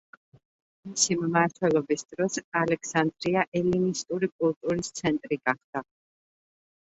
მისი მმართველობის დროს ალექსანდრია ელინისტური კულტურის ცენტრი გახდა.